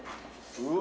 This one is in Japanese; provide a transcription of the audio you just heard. うわ。